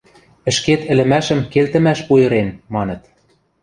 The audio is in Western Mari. Ӹшкет ӹлӹмӓшӹм келтӹмӓш пуйырен, маныт...